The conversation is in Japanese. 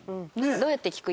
どうやって聞く？